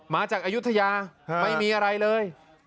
มาจากอายุทยาไม่มีอะไรเลย